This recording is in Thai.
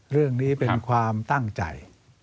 เรื่องนี้เป็นความตั้งใจ